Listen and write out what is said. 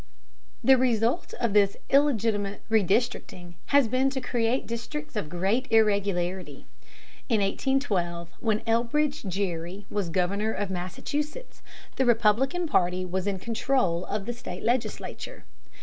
The result of this illegitimate redistricting has been to create districts of great irregularity. In 1812, when Elbridge Gerry was Governor of Massachusetts, the Republican party was in control of the state legislature.